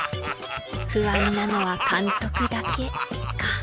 不安なのは監督だけか。